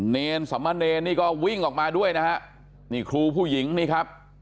เนรสมเนรนี่ก็วิ่งออกมาด้วยนะฮะนี่ครูผู้หญิงนี่ครับ